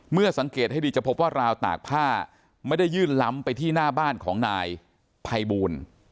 เมื่อสังเกตให้ดีจะพบว่าราวตากผ้าไม่ได้ยื่นล้ำไปที่หน้าบ้านของนายภัยบูล